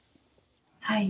はい。